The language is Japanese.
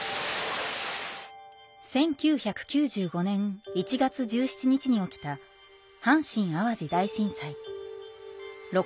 １９９５年１月１７日に起きた阪神・淡路大震災。